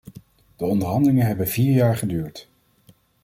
De onderhandelingen hebben vier jaar geduurd.